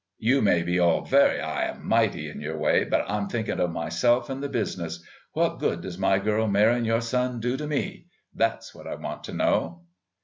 You may be all very 'igh and mighty in your way, but I'm thinkin' of myself and the business. What good does my girl marryin' your son do to me? That's what I want to know."